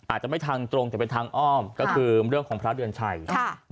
อาจจะไม่ทางตรงแต่เป็นทางอ้อมก็คือเรื่องของพระเดือนชัย